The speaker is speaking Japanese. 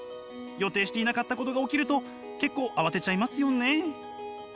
予定していなかったことが起きると結構慌てちゃいますよね。